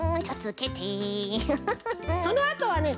そのあとはね